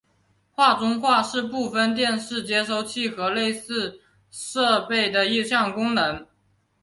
画中画是部分电视接收器和类似设备的一项功能。